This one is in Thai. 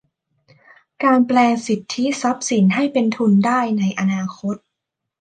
การแปลงสิทธิทรัพย์สินให้เป็นทุนได้ในอนาคต